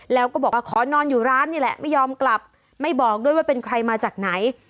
แล้วก็บอกว่าขอนอนอยู่ร้านนี่แหละไม่ยอมกลับไม่บอกด้วยว่าเป็นใครมาจากไหน